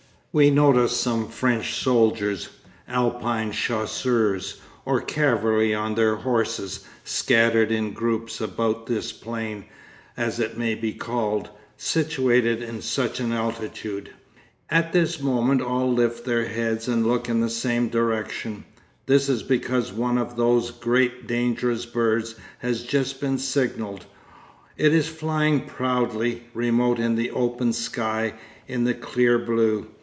We notice some French soldiers, Alpine chasseurs, or cavalry on their horses, scattered in groups about this plain, as it may be called, situated at such an altitude. At this moment all lift their heads and look in the same direction; this is because one of those great dangerous birds has just been signalled; it is flying proudly, remote in the open sky, in the clear blue.